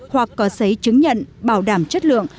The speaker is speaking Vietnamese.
hoặc có giấy chứng nhận bảo đảm chất lượng